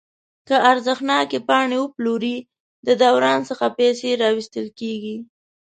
که ارزښتناکې پاڼې وپلوري د دوران څخه پیسې راویستل کیږي.